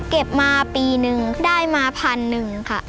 เก็บมาปีนึงได้มาพันหนึ่งค่ะ